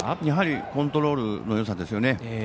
やはりコントロールのよさですよね。